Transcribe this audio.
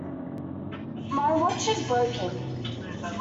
My watch is broken.